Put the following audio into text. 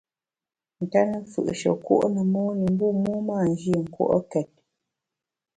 Nkéne mfù’she kùo’ ne mon i, bu mon mâ nji nkùo’ket.